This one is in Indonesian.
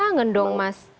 kangen dong mas